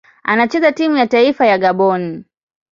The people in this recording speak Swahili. Anachezea timu ya taifa ya Gabon.